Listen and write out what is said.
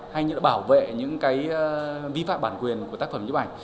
hay như là bảo vệ những cái vi phạm bản quyền của tác phẩm nhếp ảnh